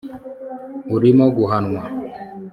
urimo guhanwa